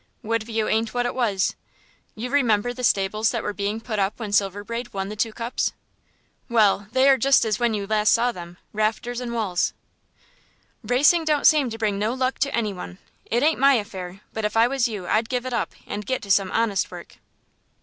Woodview ain't what it was. You remember the stables they were putting up when Silver Braid won the two cups? Well, they are just as when you last saw them rafters and walls." "Racing don't seem to bring no luck to any one. It ain't my affair, but if I was you I'd give it up and get to some honest work."